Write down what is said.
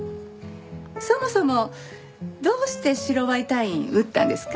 そもそもどうして白バイ隊員撃ったんですか？